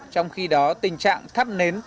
trong khi đó tình trạng thắt nến